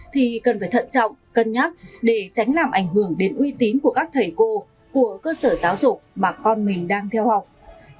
thì cần phải thận trọng cân nhắc để tránh làm ảnh hưởng đến uy tín của các thầy cô của cơ sở giáo dục mà con mình đang theo học